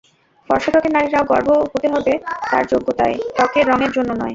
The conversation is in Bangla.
ফরসা ত্বকের নারীরও গর্ব হতে হবে তার যোগ্যতায়, ত্বকের রঙের জন্য নয়।